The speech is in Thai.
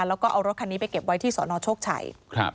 แล้วก็รถคันนี้มาเก็บไว้ที่สตโชกฉัย